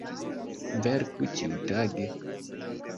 Verku ĉiutage!